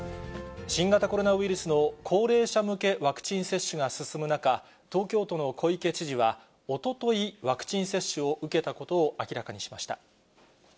新型コロナウイルスの高齢者向けワクチン接種が進む中、東京都の小池知事は、おととい、ワクチン接種を受けたことを明らかにしました。